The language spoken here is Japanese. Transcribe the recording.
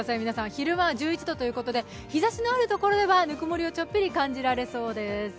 昼間は１１度ということで日ざしのあるところではぬくもりをちょっぴり感じられそうです。